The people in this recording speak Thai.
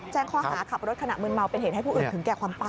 แจ้งข้อหาขับรถขณะมืนเมาเป็นเหตุให้ผู้อื่นถึงแก่ความตาย